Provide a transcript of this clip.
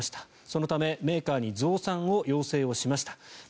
そのためメーカーに増産を要請しました